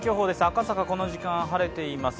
赤坂、この時間晴れています。